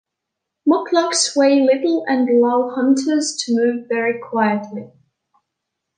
Mukluks weigh little and allow hunters to move very quietly.